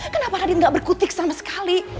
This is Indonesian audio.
kenapa raden gak berkutik sama sekali